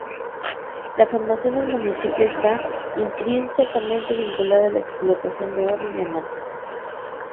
La formación del municipio está intrínsecamente vinculada a la explotación de oro y diamantes.